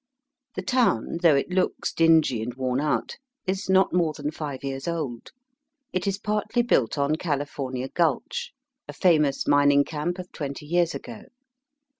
The town, though it looks dingy and worn out, is not more than five years old. It is partly built on CaHfornia Gulch, a famous mining camp of twenty years ago.